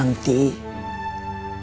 yang harus nyimpan